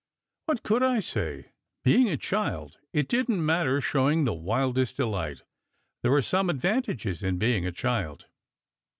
What could I say? Being a child, it didn t matter show ing the wildest delight. There are some advantages in being a child.